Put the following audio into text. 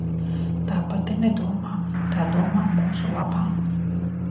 Tā pati nedomā, tā domā mūsu labā.